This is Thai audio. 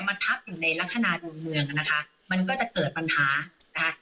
มาทับอยู่ในลักษณะดวงเมืองนะคะมันก็จะเกิดปัญหานะคะ